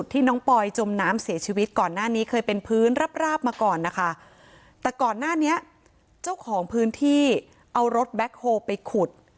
ที่น้องปอยจมน้ำเสียชีวิตก่อนหน้านี้เคยเป็นพื้นราบราบมาก่อนนะคะแต่ก่อนหน้านี้เจ้าของพื้นที่เอารถแบ็คโฮลไปขุด